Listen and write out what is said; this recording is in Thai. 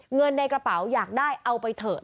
เงินในกระเป๋าอยากได้เอาไปเถอะ